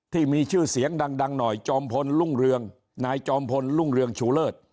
ที่มีชื่อเสียงดังหน่อยจอมพลรุ่งเรืองนายจอมพลรุ่งเรืองชูเลิศ